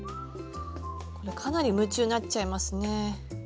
これかなり夢中になっちゃいますね。